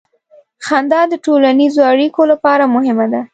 • خندا د ټولنیزو اړیکو لپاره مهمه ده.